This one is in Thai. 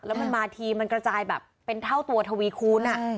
แล้วมันมาทีมันกระจายแบบเป็นเท่าตัวทวีคูณ